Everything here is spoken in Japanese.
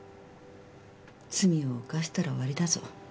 罪を犯したら終わりだぞ